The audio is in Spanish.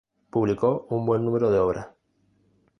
Publicó un buen número de obras.